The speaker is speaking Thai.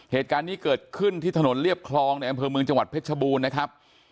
เหตุการณ์นี้เกิดขึ้นที่ถนนเรียบคลองในอำเภอเมืองจังหวัดเพชรบูรณ์นะครับ